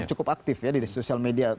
cukup aktif ya di sosial media